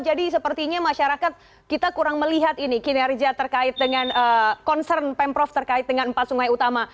jadi sepertinya masyarakat kita kurang melihat kinerja terkait dengan concern pemprov terkait dengan empat sungai utama